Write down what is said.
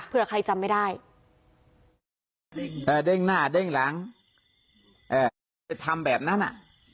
เพื่อใครจำไม่ได้เอ่อเด้งหน้าเด้งหลังไปทำแบบนั้นอ่ะ